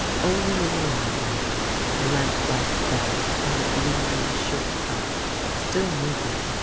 Only in the libraiy the lamplight fell on the gleaming shirt front, still moving.